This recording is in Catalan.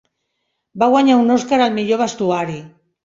Va guanyar un Oscar al millor vestuari.